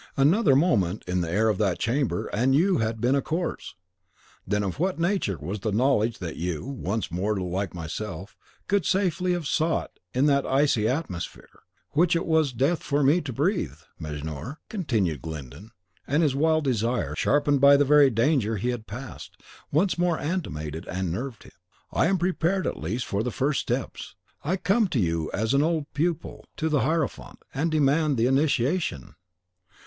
Another moment in the air of that chamber and you had been a corpse." "Then of what nature was the knowledge that you, once mortal like myself, could safely have sought in that icy atmosphere, which it was death for me to breathe? Mejnour," continued Glyndon, and his wild desire, sharpened by the very danger he had passed, once more animated and nerved him, "I am prepared at least for the first steps. I come to you as of old the pupil to the Hierophant, and demand the initiation."